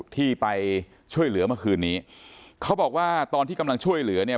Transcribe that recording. ที่ไปช่วยเหลือเมื่อคืนนี้เขาบอกว่าตอนที่กำลังช่วยเหลือเนี่ย